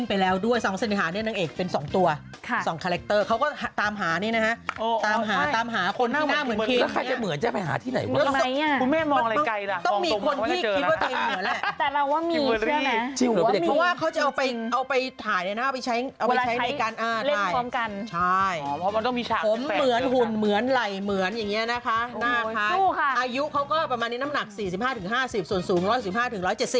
อายุเขาก็ประมาณนี้น้ำหนัก๔๕๕๐ส่วนสูง๑๖๕๑๗๐